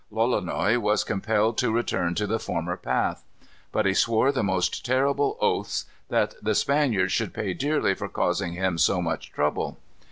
Lolonois was compelled to return to the former path. But he swore the most terrible oaths that the Spaniards should pay dearly for causing him so much trouble.